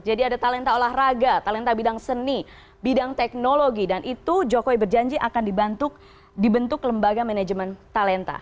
jadi ada talenta olahraga talenta bidang seni bidang teknologi dan itu jokowi berjanji akan dibentuk lembaga manajemen talenta